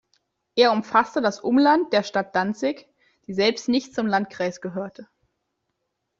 Er umfasste das Umland der Stadt Danzig, die selbst nicht zum Landkreis gehörte.